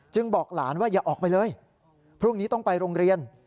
บอกหลานว่าอย่าออกไปเลยพรุ่งนี้ต้องไปโรงเรียน